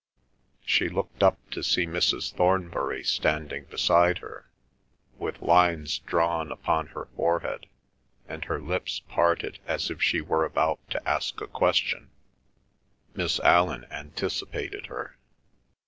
... She looked up to see Mrs. Thornbury standing beside her, with lines drawn upon her forehead, and her lips parted as if she were about to ask a question. Miss Allan anticipated her.